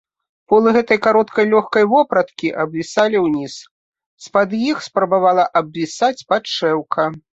Полы гэтай кароткай лёгкай вопраткі абвісалі ўніз, з-пад іх спрабавала абвісаць падшэўка.